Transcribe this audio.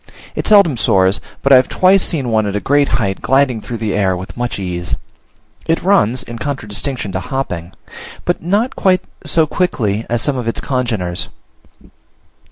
It seldom soars; but I have twice seen one at a great height gliding through the air with much ease. It runs (in contradistinction to hopping), but not quite so quickly as some of its congeners.